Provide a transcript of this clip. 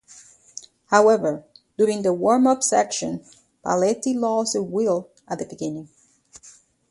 However, during the warm-up session Paletti lost a wheel at the beginning.